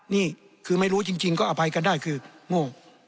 นี่คือไม่รู้จริงก็อภัยกันได้คือโง่